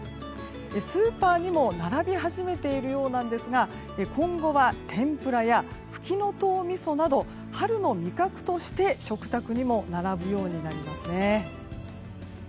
スーパーにも並び始めているようなんですが今後は天ぷらやフキノトウみそなど春の味覚として食卓にも並ぶようになりますね。